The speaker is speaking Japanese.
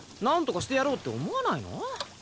なんとかしてやろうって思わないの？